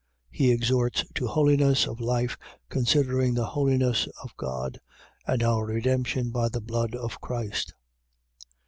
He exhorts to holiness of life, considering the holiness of God and our redemption by the blood of Christ.